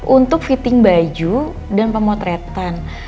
untuk fitting baju dan pemotretan